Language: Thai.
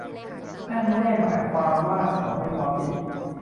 นั่นไม่ได้หมายความว่าเขามีความผิด